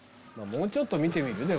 もうちょっと見てみる？